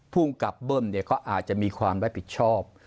ภูมิกับเบิ้มเนี่ยก็อาจจะมีความรับผิดชอบ